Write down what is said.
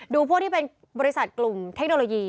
พวกที่เป็นบริษัทกลุ่มเทคโนโลยี